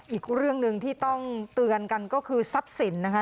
อีกเรื่องหนึ่งที่ต้องเตือนกันก็คือทรัพย์สินนะคะ